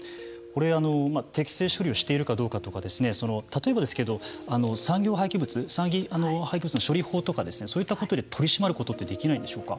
適正処理をしているかどうかとか例えばですけれども産業廃棄物廃棄物の処理法とかそういったことで取り締まることはできないんでしょうか。